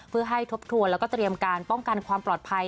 เพื่อให้ทบทวนแล้วก็เตรียมการป้องกันความปลอดภัย